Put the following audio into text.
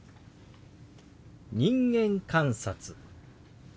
「人間観察」。